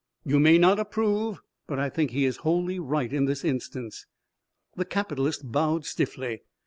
You may not approve, but I think he is wholly right in this instance." The capitalist bowed stiffly.